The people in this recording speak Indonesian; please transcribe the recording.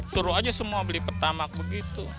suruh aja semua beli pertamak begitu